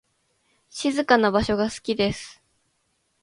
静かな場所が好きです。